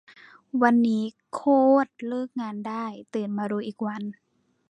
วันนี้ โคตร เลิกงานได้ ตื่นมาลุยอีกวัน